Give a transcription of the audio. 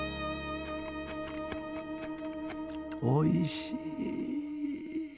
おいしい！